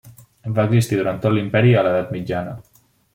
Va existir durant tot l'imperi i a l'edat mitjana.